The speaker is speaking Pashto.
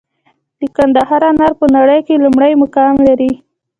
د کندهار انار په نړۍ کې لومړی مقام لري.